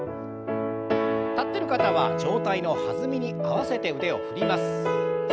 立ってる方は上体の弾みに合わせて腕を振ります。